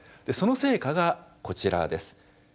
その成果がこちらです。